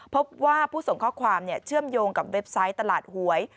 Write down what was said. พบว่าผู้ส่งข้อความเชื่อมโยงกับเว็บไซต์ตลาดหวย